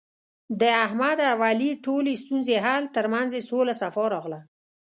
د احمد او علي ټولې ستونزې حل، ترمنځ یې سوله صفا راغله.